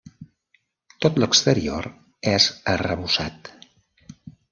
Tot l'exterior és arrebossat.